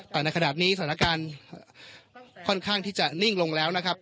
แต่ในขณะนี้สถานการณ์ค่อนข้างที่จะนิ่งลงแล้วนะครับ